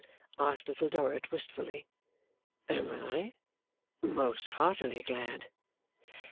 asked Little Dorrit, wistfully. 'Am I? Most heartily glad!